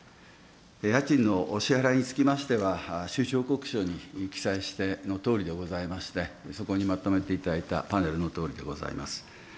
家賃のお支払いにつきましては、収支報告書に記載してのとおりでございまして、そこにまとめていただいたパネルのとおりでございます。